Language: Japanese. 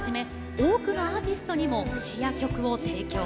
多くのアーティストにも詞や曲を提供。